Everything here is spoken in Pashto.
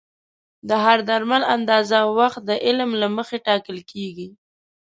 د هر درمل اندازه او وخت د علم له مخې ټاکل کېږي.